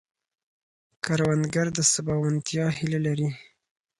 کروندګر د سباوونتیا هیله لري